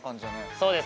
そうです